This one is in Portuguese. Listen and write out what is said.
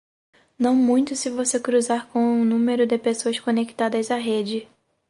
Não muito se você cruzar com o número de pessoas conectadas à rede.